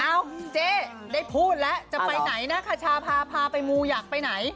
เจ๊ได้พูดแล้วจะไปไหนนะคชาพาพาไปมูอยากไปไหน